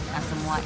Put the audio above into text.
nah semua ini